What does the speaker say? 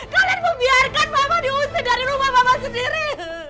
kalian membiarkan mama diusir dari rumah mama sendiri